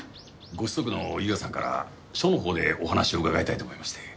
ご子息の裕也さんから署のほうでお話を伺いたいと思いまして。